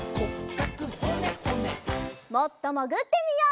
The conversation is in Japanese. もっともぐってみよう。